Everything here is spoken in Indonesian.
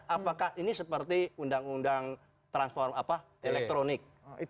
apakah ini seperti undang undang transform apa elektronik